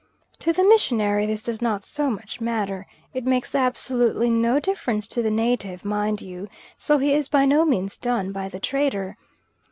To the missionary this does not so much matter. It makes absolutely no difference to the native, mind you; so he is by no means done by the trader.